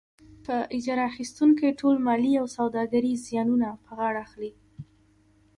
په اجاره اخیستونکی ټول مالي او سوداګریز زیانونه په غاړه اخلي.